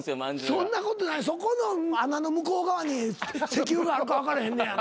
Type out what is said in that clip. そんなことないそこの穴の向こう側に石油があるか分からへんやないか。